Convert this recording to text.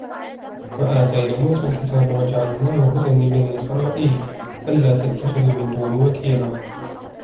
وآتينا موسى الكتاب وجعلناه هدى لبني إسرائيل ألا تتخذوا من دوني وكيلا